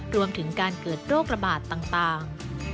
รวมถึงการเกิดโรคระบาดต่าง